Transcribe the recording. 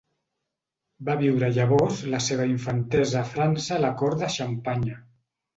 Va viure llavors la seva infantesa a França a la cort de Xampanya.